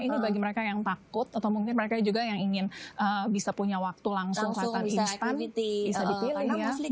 ini bagi mereka yang takut atau mungkin mereka juga yang ingin bisa punya waktu langsung atau bisa dipilih